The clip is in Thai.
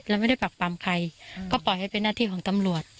เราไม่ได้ปักปำใครก็ปล่อยให้เป็นหน้าที่ของตำรวจ